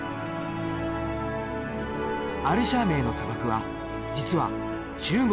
アルシャー盟の砂漠は実は中国